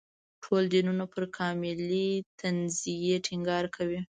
ټول دینونه پر کاملې تنزیې ټینګار کوي.